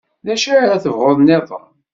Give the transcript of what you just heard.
D acu ara tebɣuḍ-nniḍen?